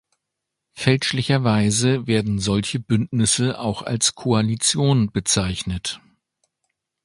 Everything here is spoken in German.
Fälschlicherweise werden solche Bündnisse auch als Koalition bezeichnet.